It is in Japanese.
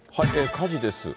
火事です。